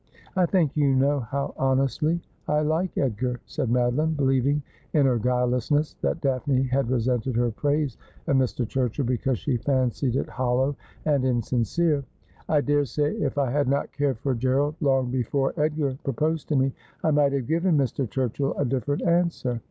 ' I think you know how honestly I like Edgar,' said Mado line, believing in her guilelessness that Daphne had resented her praise of Mr. Turchill because she fancied it hollow and insin cere. ' I daresay if I had not cared for Gerald long before Edgar proposed to me, I might have given Mr. Turchill a different answer.